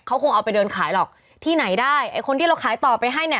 เขาคงเอาไปเดินขายหรอกที่ไหนได้ไอ้คนที่เราขายต่อไปให้เนี่ย